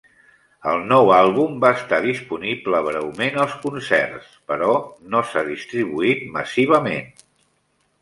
El nou àlbum va estar disponible breument als concerts, però no s'ha distribuït massivament.